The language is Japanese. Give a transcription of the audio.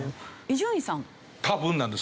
伊集院さん。